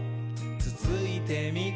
つついてみ？」